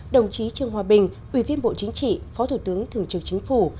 đồng chí trương hòa bình ủy viên bộ chính trị phó thủ tướng thường trực chính phủ